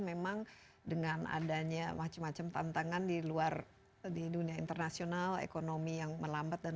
memang dengan adanya macam macam tantangan di luar di dunia internasional ekonomi yang melambat dan